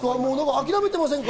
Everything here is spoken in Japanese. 諦めてませんか？